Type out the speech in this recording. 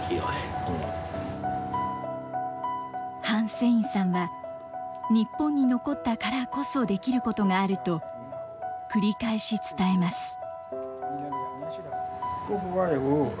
ハン・セインさんは、日本に残ったからこそできることがあると、繰り返し伝えます。